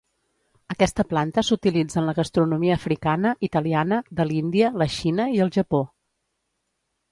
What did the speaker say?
Aquesta planta s'utilitza en la gastronomia africana, italiana, de l'Índia, la Xina i el Japó.